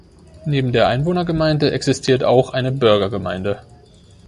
Neben der Einwohnergemeinde existiert auch eine Burgergemeinde.